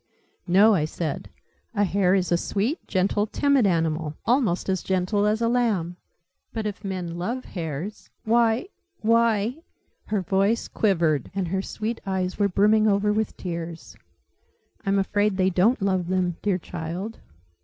"No," I said. "A hare is a sweet, gentle, timid animal almost as gentle as a lamb." "But, if men love hares, why why " her voice quivered, and her sweet eyes were brimming over with tears. "I'm afraid they don't love them, dear child."